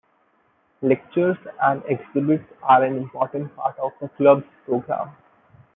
Lectures and exhibits are an important part of the club's program.